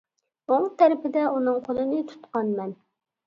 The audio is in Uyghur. ئوڭ تەرىپىدە ئۇنىڭ قولىنى تۇتقان مەن.